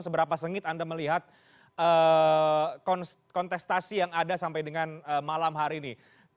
seberapa sengit anda melihat kontestasi yang ada sampai dengan malam hari ini